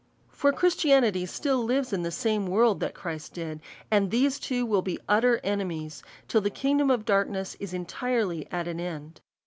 For Christianity still lives in the same world that Christ did ; and these two will be utter enemies, till the kingdom of darkness is entirely at an end.